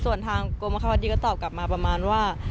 ส่วนทางกรมบังคับคดีก็ตอบกลับมาประมาณว่า